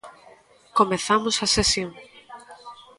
Comezamos a sesión.